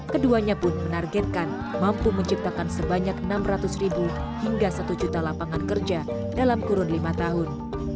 keduanya pun menargetkan mampu menciptakan sebanyak enam ratus ribu hingga satu juta lapangan kerja dalam kurun lima tahun